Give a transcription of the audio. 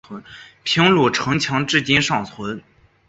平鲁城墙至今尚存。